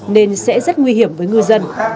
nên sẽ rất nguy hiểm với ngư dân